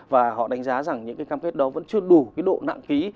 và họ đánh giá rằng những cái cam kết đó vẫn chưa đủ cái độ nặng ký